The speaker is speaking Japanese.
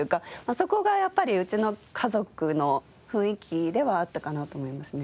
そこがやっぱりうちの家族の雰囲気ではあったかなと思いますね。